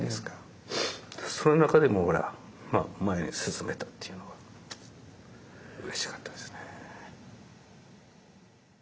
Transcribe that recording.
その中でもほら前に進めたというのはうれしかったですね。